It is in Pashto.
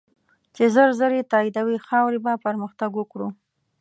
چی ژر ژر یی تایدوی ، خاوری به پرمختګ وکړو